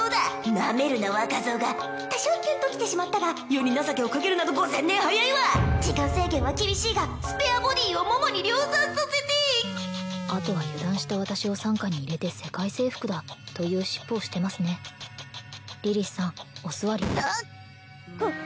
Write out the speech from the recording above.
ナメるな若造が多少キュンときてしまったが余に情けをかけるなど５０００年早いわ時間制限は厳しいがスペアボディーを桃に量産させてあとは油断した私を傘下に入れて世界征服だというシッポをしてますねリリスさんお座りああっあっ